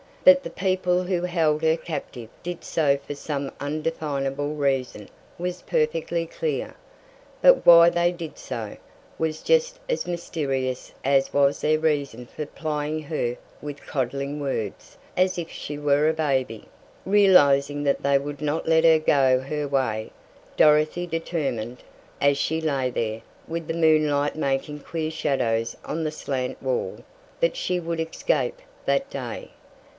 That the people who held her captive did so for some undefinable reason was perfectly clear; but why they did so, was just as mysterious as was their reason for plying her with coddling words, as if she were a baby. Realizing that they would not let her go her way, Dorothy determined, as she lay there, with the moonlight making queer shadows on the slant wall, that she would escape that day!